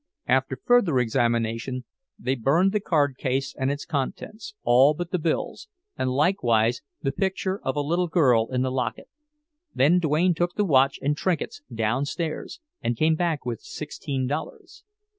After further examination, they burned the card case and its contents, all but the bills, and likewise the picture of a little girl in the locket. Then Duane took the watch and trinkets downstairs, and came back with sixteen dollars.